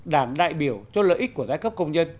đảm đại biểu cho lợi ích của giai cấp công nhân